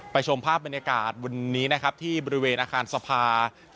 ชมภาพบรรยากาศวันนี้นะครับที่บริเวณอาคารสภา